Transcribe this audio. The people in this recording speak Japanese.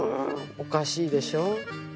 おかしいでしょ。